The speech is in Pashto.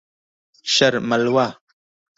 شر ملوه.